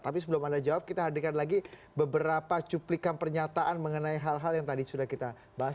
tapi sebelum anda jawab kita hadirkan lagi beberapa cuplikan pernyataan mengenai hal hal yang tadi sudah kita bahas